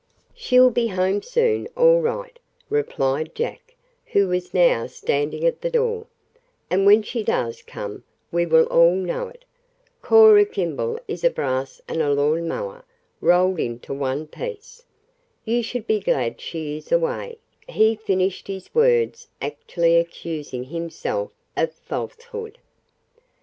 "She'll be home soon, all right," replied Jack, who was now standing at the door, "and when she does come we will all know it. Cora Kimball is a brass and a lawn mower, rolled into one piece. You should be glad she is away," he finished, his words actually accusing himself of falsehood.